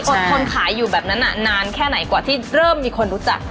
ทนขายอยู่แบบนั้นนานแค่ไหนกว่าที่เริ่มมีคนรู้จัก